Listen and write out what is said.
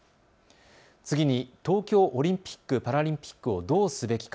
次に東京オリンピック・パラリンピックをどうすべきか。